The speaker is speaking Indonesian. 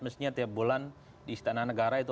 mestinya tiap bulan di istana negara itu